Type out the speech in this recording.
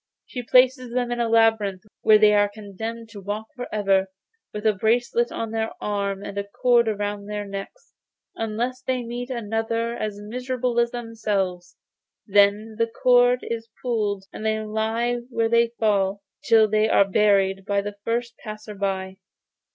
She places them in a labyrinth where they are condemned to walk for ever, with a bracelet on their arms and a cord round their necks, unless they meet another as miserable as themselves. Then the cord is pulled and they lie where they fall, till they are buried by the first passer by.